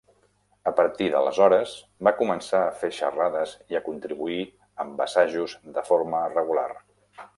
A partir d'aleshores, va començar a fer xerrades i a contribuir amb assajos de forma regular.